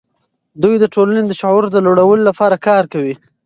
دوی د ټولنې د شعور د لوړولو لپاره کار کوي.